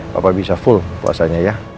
bapak bisa full puasanya ya